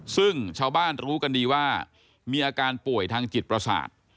ซึ่งชาวบ้านรู้กันดีว่ามีอาการป่วยทางจิตประสาท